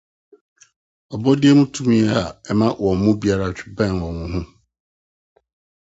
Abɔde mu tumi a ɛma wɔn mu biara twe bɛen wɔnho.